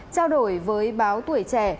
trao đổi với báo tuổi trẻ